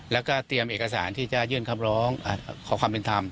แล้วก็เตรียมเอกสารที่จะยื่นคำร้องขอความเป็นธรรม